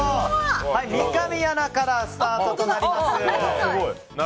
三上アナからスタートとなります。